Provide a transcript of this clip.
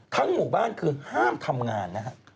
หมู่บ้านคือห้ามทำงานนะฮะ